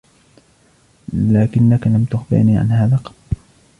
لكنك لم تخبرني عن هذا قط!